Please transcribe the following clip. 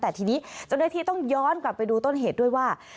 แต่ทีนี้เจ้าหน้าที่ต้องย้อนกลับไปดูต้นเหตุด้วยว่า